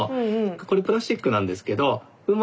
これプラスチックなんですけどはぁ！